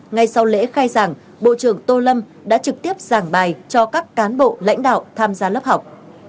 ngay sau lễ khai giảng bộ trưởng tô lâm đã trực tiếp giảng bài cho các cán bộ lãnh đạo tham gia lớp học